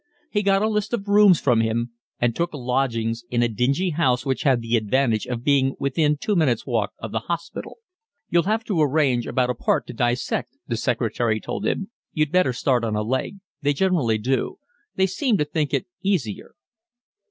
He got a list of rooms from him, and took lodgings in a dingy house which had the advantage of being within two minutes' walk of the hospital. "You'll have to arrange about a part to dissect," the secretary told him. "You'd better start on a leg; they generally do; they seem to think it easier."